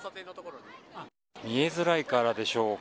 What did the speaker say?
見えづらいからでしょうか。